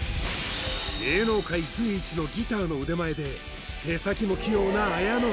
芸能界随一のギターの腕前で手先も器用な綾野